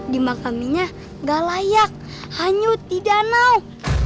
di makaminya gak layak hanyut di danau